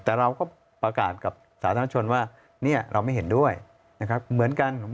แต่เราก็ประกาศกับสาธารณชนว่าเนี่ยเราไม่เห็นด้วยนะครับเหมือนกัน